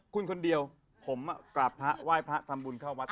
คุณคนเดียวผมกลับไหว้พระทำบุญเข้าวัดตลอด